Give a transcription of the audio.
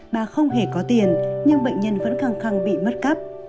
bà không hề có tiền nhưng bệnh nhân vẫn khăng khăng bị mất cắp